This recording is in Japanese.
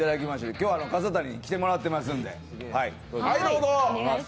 今日は笠谷君に来てもらってるんで。